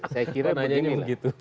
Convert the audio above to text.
saya kira begini lah